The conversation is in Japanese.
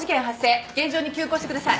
現場に急行してください。